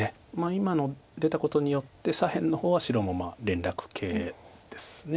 今の出たことによって左辺の方は白も連絡形です。